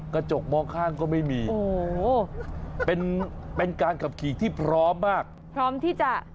กระจกม่อข้างก็ไม่มีเป็นการขับขี่ที่พร้อมมากพร้อมที่จะเกิดอุปฏิเหตุ